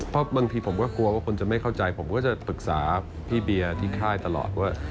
เพราะบางทีผมก็กลัวว่าคนจะไม่เข้าใจผมก็จะปรึกษาพี่เบียร์ที่ค่ายตลอดว่า